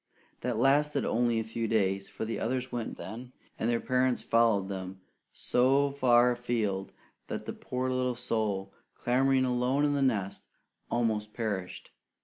That lasted only a few days; for the others went then, and their parents followed them so far afield that the poor little soul, clamouring alone in the nest, almost perished.